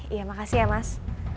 iya makasih ya mas